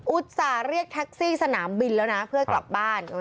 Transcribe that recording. ต่าเรียกแท็กซี่สนามบินแล้วนะเพื่อกลับบ้าน